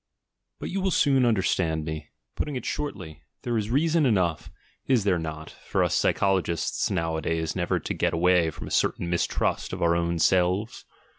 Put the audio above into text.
But you will soon understand me. — Putting it shortly, there is reason enough, is there not, for us psychologists ISO THE GENEALOGY OF MORALS nowadays never to get away from a certain mistrust of uur (i; es?